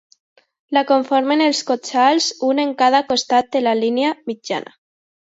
La conformen els coxals, un en cada costat de la línia mitjana.